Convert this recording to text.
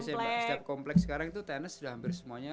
setiap komplek sekarang tuh tenis sudah hampir semuanya